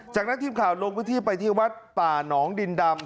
จากนั้นทีมข่าวลงพื้นที่ไปที่วัดป่าหนองดินดำ